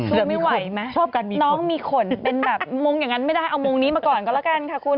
คุณไม่ไหวไหมน้องมีขนมุงอย่างนั้นไม่ได้เอามุงนี้มาก่อนก็แล้วกันค่ะคุณ